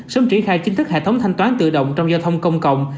sớm triển khai chính thức hệ thống thanh toán tự động trong giao thông công cộng